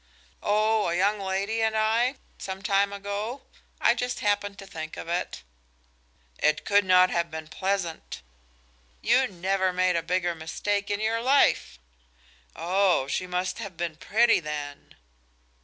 "Oh, a young lady and I, some time ago. I just happened to think of it." "It could not have been pleasant." "You never made a bigger mistake in your life." "Oh, she must have been pretty, then."